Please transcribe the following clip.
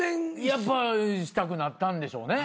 やっぱしたくなったんでしょうね。